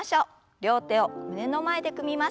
両手を胸の前で組みます。